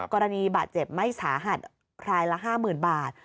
กรณีบาดเจ็บไม่สาหัสคลายละ๕๐๐๐บาท